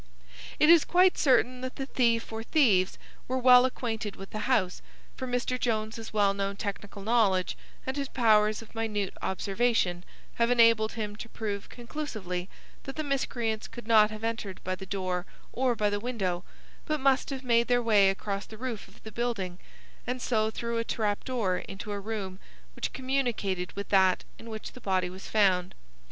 It is quite certain that the thief or thieves were well acquainted with the house, for Mr. Jones's well known technical knowledge and his powers of minute observation have enabled him to prove conclusively that the miscreants could not have entered by the door or by the window, but must have made their way across the roof of the building, and so through a trap door into a room which communicated with that in which the body was found.